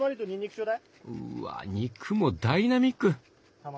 うわ肉もダイナミック！